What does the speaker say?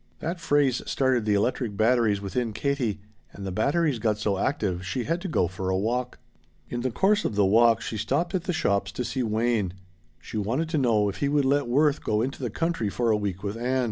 That phrase started the electric batteries within Katie and the batteries got so active she had to go for a walk. In the course of the walk she stopped at the shops to see Wayne. She wanted to know if he would let Worth go into the country for a week with Ann.